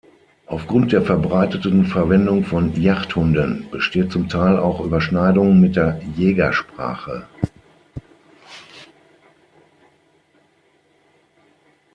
Aufgrund der verbreiteten Verwendung von Jagdhunden bestehen zum Teil auch Überschneidungen mit der Jägersprache.